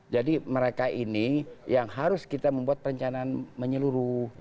jadi mereka ini yang harus kita membuat perencanaan menyeluruh